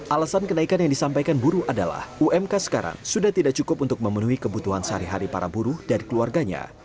alasan kenaikan yang disampaikan buruh adalah umk sekarang sudah tidak cukup untuk memenuhi kebutuhan sehari hari para buruh dan keluarganya